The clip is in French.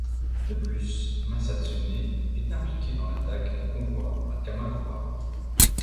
De plus, Masastune est impliqué dans l'attaque d'un convoi à Kamakura.